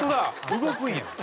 動くんや。